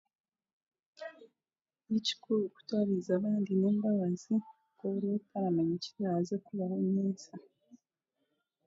Nikikuru kutwariza abandi n'embabazi ahakuba orotaramanya ekiraaze kukubaho nyensya